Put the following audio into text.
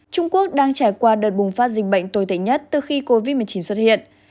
trung quốc đang trải qua đợt bùng phát dịch bệnh tồi tệ nhất từ khi covid một mươi chín xuất hiện